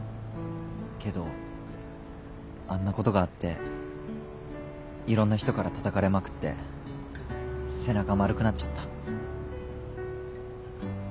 けどあんなことがあっていろんな人からたたかれまくって背中丸くなっちゃった。